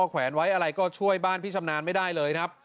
แขวนไว้อะไรก็ช่วยบ้านพี่ชำนาญไม่ได้เลยครับ